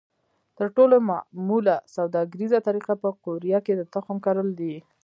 تر ټولو معموله سوداګریزه طریقه په قوریه کې د تخم کرل دي.